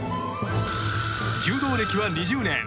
柔道歴は２０年。